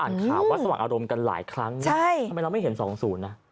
สมัครอารมณ์กันหลายครั้งทำไมเราไม่เห็นสองศูนย์